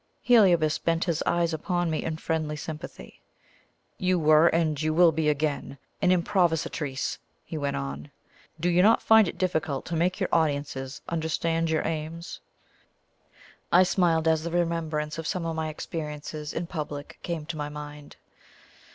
Heliobas bent his eyes upon me in friendly sympathy. "You were, and you will be again, an improvisatrice" he went on. "Do you not find it difficult to make your audiences understand your aims?" I smiled as the remembrance of some of my experiences in public came to my mind.